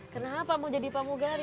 kenapa mau jadi pamu gali